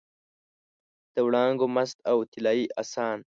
د وړانګو مست او طلايي اسان